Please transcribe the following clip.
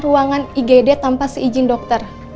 ruangan igd tanpa seizin dokter